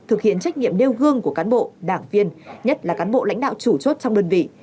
thực hiện trách nhiệm nêu gương của cán bộ đảng viên nhất là cán bộ lãnh đạo chủ chốt trong đơn vị